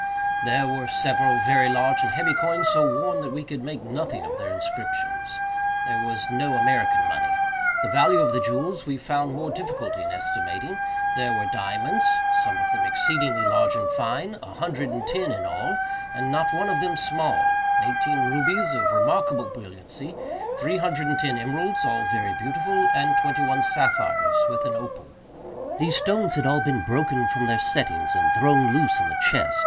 There were several very large and heavy coins, so worn that we could make nothing of their inscriptions. There was no American money. The value of the jewels we found more difficulty in estimating. There were diamonds—some of them exceedingly large and fine—a hundred and ten in all, and not one of them small; eighteen rubies of remarkable brilliancy;—three hundred and ten emeralds, all very beautiful; and twenty one sapphires, with an opal. These stones had all been broken from their settings and thrown loose in the chest.